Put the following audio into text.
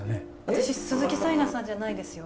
私鈴木紗理奈さんじゃないですよ。